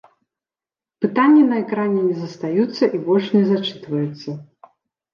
Пытанні на экране не застаюцца і больш не зачытваюцца.